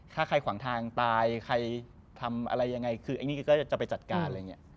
ถ้าใครขวางทางตายใครทำอะไรยังไงคือไอ้นี่ก็จะไปจัดการอะไรอย่างนี้